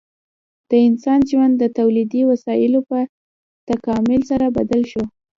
د انسان ژوند د تولیدي وسایلو په تکامل سره بدل شو.